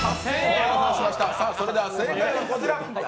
それでは正解はこちら。